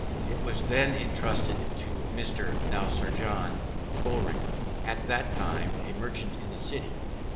It was then entrusted to Mr. (now Sir John) Bowring, at that time a merchant in the City.